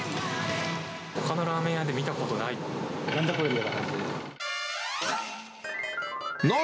ほかのラーメン屋で見たことなんだこれ？みたいな。